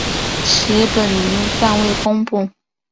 其本名暂未公布。